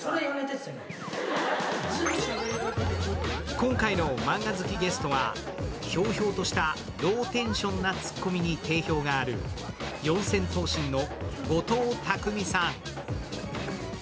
今回のマンガ好きゲストはひょうひょうとしたローテンションなツッコミに定評がある四千頭身の後藤拓実さん。